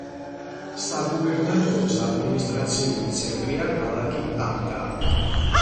საგუბერნატოროს ადმინისტრაციული ცენტრია ქალაქი ტანტა.